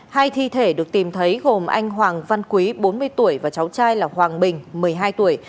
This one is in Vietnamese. hai thi thể được tìm thấy gồm anh hoàng văn quý bốn mươi tuổi và cháu trai là hoàng bình một mươi hai tuổi